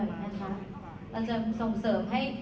เราจะส่งเสริมให้